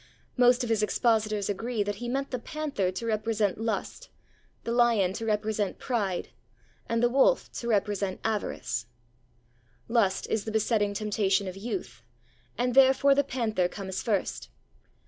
Most of his expositors agree that he meant the panther to represent Lust, the lion to represent Pride, and the wolf to represent Avarice. Lust is the besetting temptation of youth, and therefore the panther comes first.